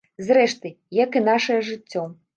Зрэшты, як і нашае жыццё.